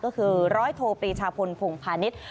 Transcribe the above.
ก็คือร้อยโทปีชาพลพงพาณิชย์